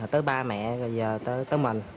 tới ba mẹ rồi giờ tới mình